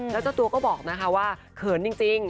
แล้วเจ้าตัวก็บอกนะคะว่าเขินจริง